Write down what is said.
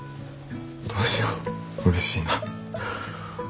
どうしよううれしいな。